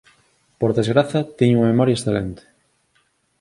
Por desgraza, teño unha memoria excelente...